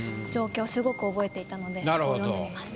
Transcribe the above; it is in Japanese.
すごく覚えていたのでそこを詠んでみました。